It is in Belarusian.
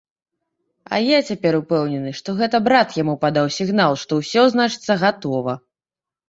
А я цяпер упэўнены, што гэта брат яму падаў сігнал, што ўсё, значыцца, гатова.